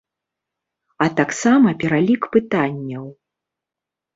А таксама пералік пытанняў.